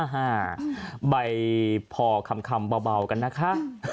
ใบพอคำเบากันนะคะ